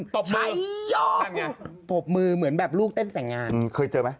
ตบมือใช้ยอมตบมือเหมือนแบบลูกเต้นแต่งงานเคยเจอไหม